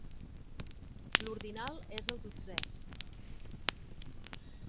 L'ordinal és el dotzè.